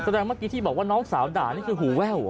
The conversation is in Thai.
เมื่อกี้ที่บอกว่าน้องสาวด่านี่คือหูแว่ว